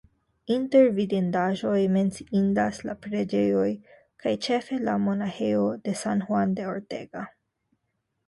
Inter vidindaĵoj menciindas la preĝejoj kaj ĉefe la monaĥejo de San Juan de Ortega.